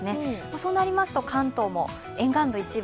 そうなりますと関東も沿岸部